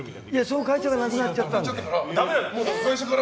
その会社がなくなっちゃったから。